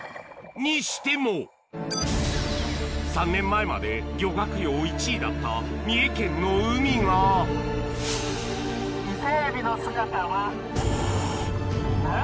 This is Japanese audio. にしても３年前まで漁獲量１位だった三重県の海が伊勢えびの姿はない！